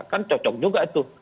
kan cocok juga itu